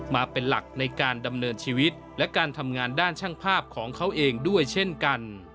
มาเป็นหลักในการดำเนินชีวิตและการทำงานด้านช่างภาพของเขาเองด้วยเช่นกัน